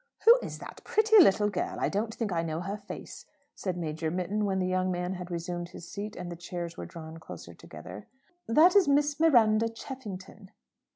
"Who is that pretty little girl? I don't think I know her face," said Major Mitton, when the young man had resumed his seat, and the chairs were drawn closer together. "That is Miss Miranda Cheffington."